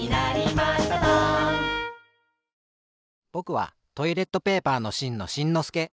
ぼくはトイレットペーパーのしんのしんのすけ。